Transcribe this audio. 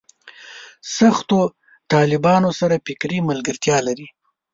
سختو طالبانو سره فکري ملګرتیا لري.